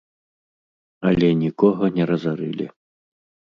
Але нікога не разарылі.